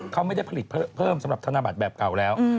เขาไม่ได้ผลิตเพิ่มสำหรับธนบัตรแบบเก่าแล้ว